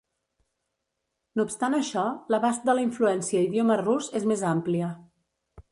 No obstant això, l'abast de la influència idioma rus és més àmplia.